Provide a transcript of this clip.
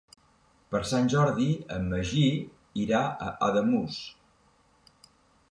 Per Sant Jordi en Magí irà a Ademús.